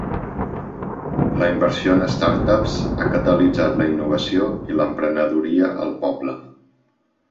La inversió en startups ha catalitzat la innovació i la emprenedoria al poble.